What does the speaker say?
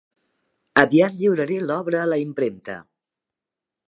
Aviat lliuraré l'obra a la impremta.